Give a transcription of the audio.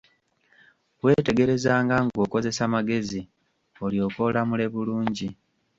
Weetegerezanga ng'okozesa magezi, olyoke olamule bulungi.